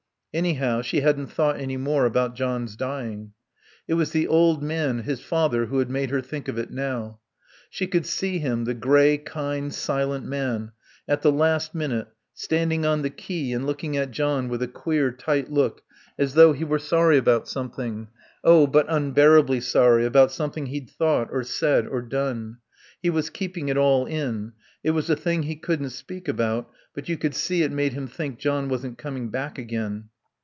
Anyhow, she hadn't thought any more about John's dying. It was the old man, his father, who had made her think of it now. She could see him, the grey, kind, silent man, at the last minute, standing on the quay and looking at John with a queer, tight look as though he were sorry about something oh, but unbearably sorry about something he'd thought or said or done. He was keeping it all in, it was a thing he couldn't speak about, but you could see it made him think John wasn't coming back again.